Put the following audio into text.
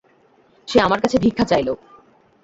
সে আমার কাছে ভিক্ষা চাইল।